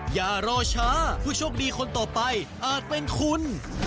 อย่ารอช้าผู้โชคดีคนต่อไปอาจเป็นคุณ